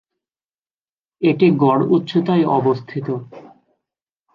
এটি গড় উচ্চতায় অবস্থিত।